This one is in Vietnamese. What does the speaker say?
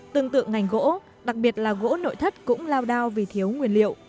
tương tự ngành gỗ đặc biệt là gỗ nội thất cũng lao đao vì thiếu nguyên liệu